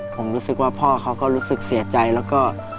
ผมรู้สึกว่าพ่อเขาก็รู้สึกเสียใจแล้วก็